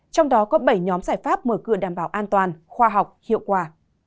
trong đó có bảy nhóm giải pháp mở cửa đảm bảo an toàn khoa học hiệu quả